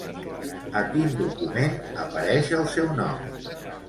A quin document apareix el seu nom?